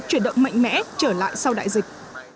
chuyển động mạnh mẽ trở lại sau đại dịch